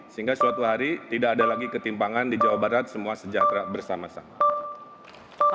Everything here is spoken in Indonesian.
sehingga suatu hari tidak ada lagi ketimpangan di jawa barat semua sejahtera bersama sama